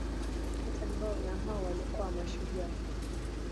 Wakati ambao na wao walikuwa mashujaa